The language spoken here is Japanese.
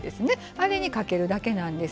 あれにかけるだけなんです。